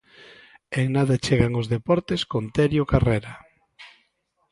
En nada chegan os deportes con Terio Carrera.